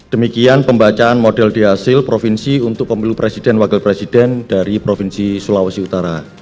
demikian pembacaan model dihasil provinsi untuk pemilu presiden wakil presiden dari provinsi sulawesi utara